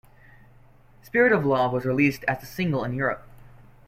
"Spirit of Love" was released as a single in Europe.